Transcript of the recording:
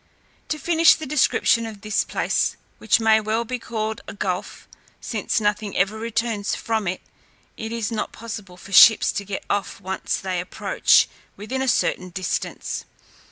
To finish the description of this place, which may well be called a gulf, since nothing ever returns from it, it is not possible for ships to get off when once they approach within a certain distance.